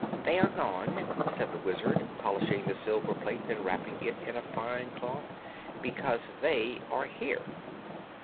"They are gone," said the Wizard, polishing the silver plate and wrapping it in a fine cloth, "because they are here."